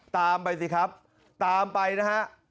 ตามไปสิครับตามไปนะฮะ